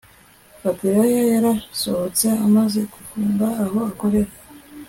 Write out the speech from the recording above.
Fabiora yarasohotse amaze gufunga aho akorera